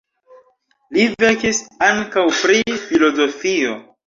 Li verkis ankaŭ pri filozofio.